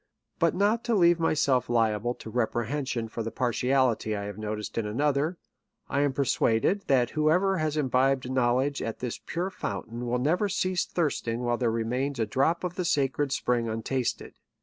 '' But not to leave myself liable to reprehension for the partiality I have noticed in another, 1 am persuad ed, that whoever has imbibed knowledge at this pure fountain will never cease thirsting while there remains a drop of the sacred spring untasted.